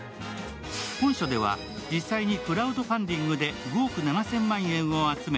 本書では実際にクラウドファンディングで５億７０００万円を集め